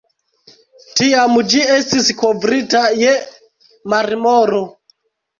Tiam ĝi estis kovrita je marmoro.